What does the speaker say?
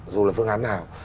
dù là phương án nào